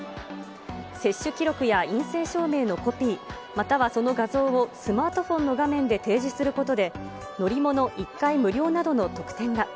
接種記録や陰性証明のコピー、またはその画像をスマートフォンの画面で提示することで、乗り物１回無料などの特典が。